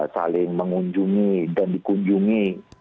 saling mengunjungi dan dikunjungi